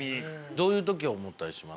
どういう時思ったりします？